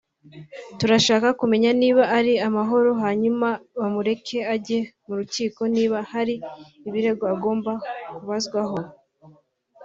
turashaka kumenya niba ari amahoro hanyuma bamureke ajye mu rukiko niba hari ibirego agomba kubazwaho